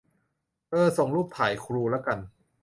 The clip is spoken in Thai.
เอ่อส่งรูปถ่ายครูละกัน !